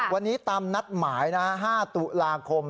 วันนี้ตามนัดหมายนะ๕ตุลาคม